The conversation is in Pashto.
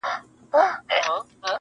پر خپل جنون له دې اقرار سره مي نه لګیږي-